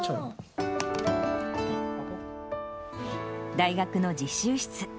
大学の実習室。